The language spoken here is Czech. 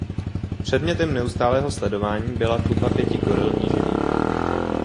Předmětem neustálého sledování byla tlupa pěti goril nížinných.